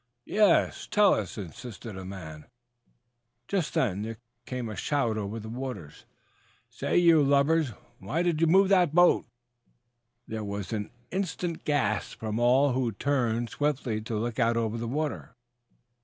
"Yes, tell us," insisted a man. Just then, there came a shout over the waters. "Say, you lubbers, what did you move that boat for?" There was an instant gasp from all who turned so swiftly to look out over the water.